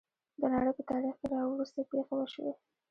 د نړۍ په تاریخ کې راوروسته پېښې وشوې.